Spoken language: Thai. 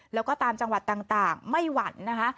แล้วก็ตามจังหวัดต่างไม่หวั่นนะคะ